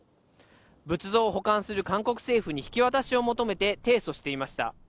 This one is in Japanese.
仏像を保管する韓国政府に引き渡しを求めて提訴していました。